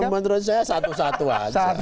menurut saya satu satuan